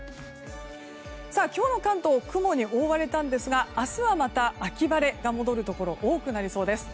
今日の関東雲に覆われたんですが明日はまた秋晴れが戻るところ多くなりそうです。